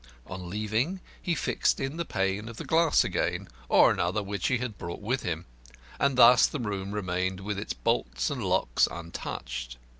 On leaving he fixed in the pane of glass again (or another which he had brought with him) and thus the room remained with its bolts and locks untouched.